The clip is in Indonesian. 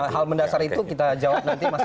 hal mendasar itu kita jawab nanti mas